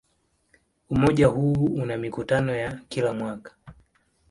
Umoja huu una mikutano ya kila mwaka.